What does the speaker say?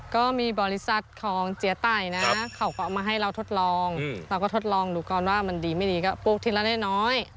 ก็มีบริษัทของเจ๊ไต่นะเขาก็เอามาให้เราทดลองเราก็ทดลองดูก่อนว่ามันดีไม่ดีก็ปลูกทีละน้อย